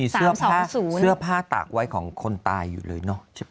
เสื้อผ้าตากไว้ของคนตายอยู่เลยเนอะใช่ปะ